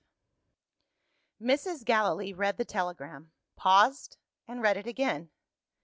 Mrs. Gallilee read the telegram paused and read it again.